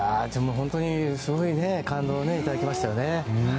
本当にすごい感動をいただきましたね。